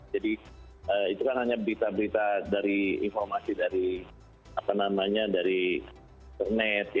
jadi itu kan hanya berita berita dari informasi dari net